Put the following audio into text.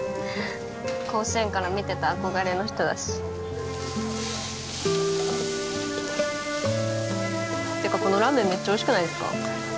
甲子園から見てた憧れの人だしてかこのラーメンめっちゃおいしくないですか？